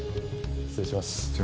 失礼します。